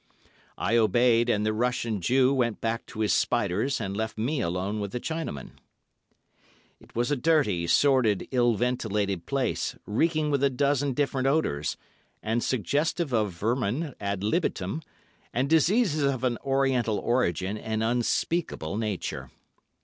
I obeyed, and the Russian Jew went back to his spiders and left me alone with the Chinaman. It was a dirty, sordid, ill ventilated place, reeking with a dozen different odours, and suggestive of vermin ad libitum, and diseases of an Oriental origin and unspeakable nature.